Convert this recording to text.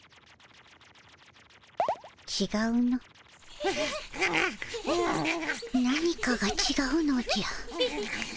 ちがうの何かがちがうのじゃ。